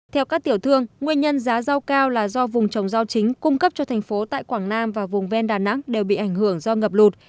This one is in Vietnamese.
theo các tiểu thương nguyên nhân giá rau cao là do vùng trồng rau chính cung cấp cho thành phố tại quảng nam và vùng ven đà nẵng đều bị ảnh hưởng do ngập lụt